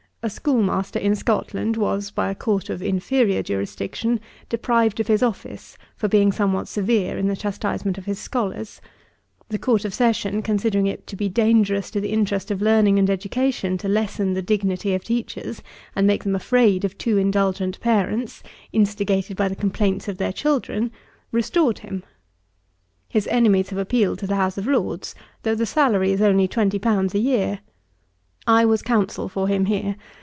A schoolmaster in Scotland was, by a court of inferiour jurisdiction, deprived of his office, for being somewhat severe in the chastisement of his scholars. The Court of Session, considering it to be dangerous to the interest of learning and education, to lessen the dignity of teachers, and make them afraid of too indulgent parents, instigated by the complaints of their children, restored him. His enemies have appealed to the House of Lords, though the salary is only twenty pounds a year. I was Counsel for him here.